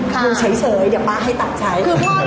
หนูเฉยเดี๋ยวป้าให้ตัดใช้